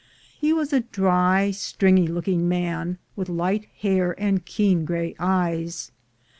He was a dry stringy looking man, with light hair and keen gray eyes.